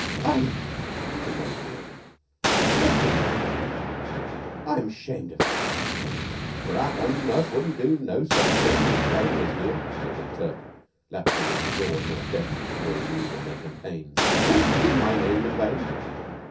"Aie!" said Mother Yeo, "makkin' love to me! I'm shaamed of 'ee." "'Rackon us wouldn't du no such thing if Mary was here," said McTurk, lapsing into the broad North Devon that the boys used on their campaigns. "Who'm takin' my name in vain?"